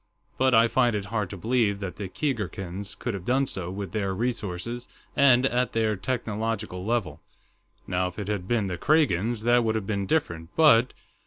But I find it hard to believe that the Keegarkans could have done so, with their resources and at their technological level. Now, if it had been the Kragans, that would have been different, but...."